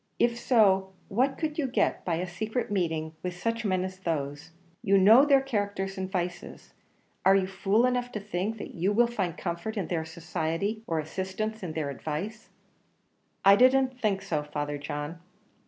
If so, what could you get by a secret meeting with such men as those? You know their characters and vices; are you fool enough to think that you will find comfort in their society, or assistance in their advice?" "I didn't think so, Father John."